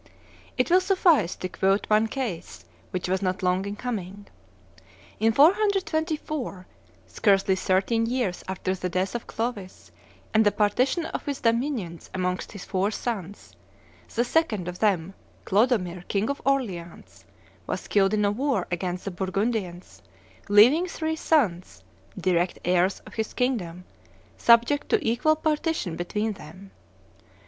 It will suffice to quote one case which was not long in coming. In 424, scarcely thirteen years after the death of Clovis and the partition of his dominions amongst his four sons, the second of them, Clodomir, king of Orleans, was killed in a war against the Burgundians, leaving three sons, direct heirs of his kingdom, subject to equal partition between them.